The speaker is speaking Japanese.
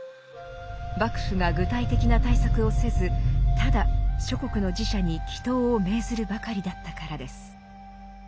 幕府が具体的な対策をせずただ諸国の寺社に祈祷を命ずるばかりだったからです。